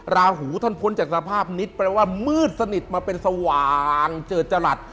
ราหูท่านพ้นจากสภาพนิดแปลว่ามืดสนิทมาเป็นสว่างเจิดจรัส